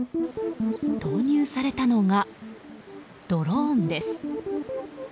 投入されたのがドローンです。